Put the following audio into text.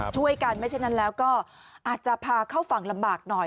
ช่วยกันไม่เช่นนั้นแล้วก็อาจจะพาเข้าฝั่งลำบากหน่อย